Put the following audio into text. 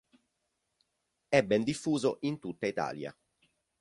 È ben diffuso in tutta Italia.